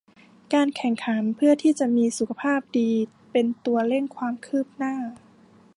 การแข่งขันเพื่อที่จะมีสุขภาพดีเป็นตัวเร่งความคืบหน้า